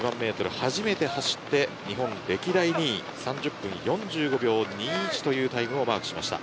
初めて走って日本歴代２位３０分４５秒２１というタイムをマークしました。